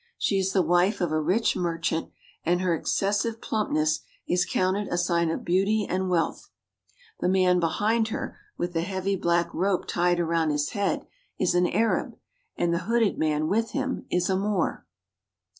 She is the wife of a rich merchant, and her excessive plumpness is counted a sign of beauty and wealth. The man behind her with the heavy black rope tied around his head is an Arab, and the hooded man with him ts a veil ..." Moor.